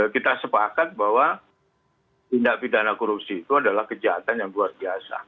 kita sepakat bahwa tindak pidana korupsi itu adalah kejahatan yang luar biasa